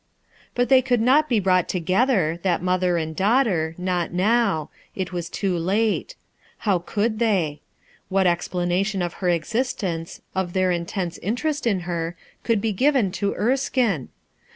But they could not bo brought together, that mother and daughter, not now — it was too late. How could they? What explanation of her existence, of their intense interest in her, could be given to Erskine?